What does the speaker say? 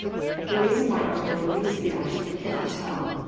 The reason why our Lord used the action we cannot tell.